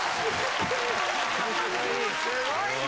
すごいね！